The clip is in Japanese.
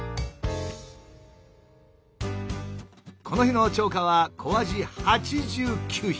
この日の釣果は小アジ８９匹